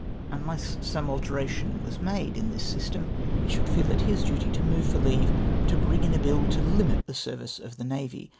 " Unless some alteration was made in this system he should feel it his duty to move for leave to bring in a bill to limit the service of the navy.